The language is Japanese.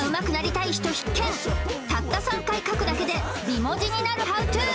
たった３回書くだけで美文字になるＨｏｗｔｏ